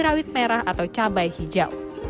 rawit merah atau cabai hijau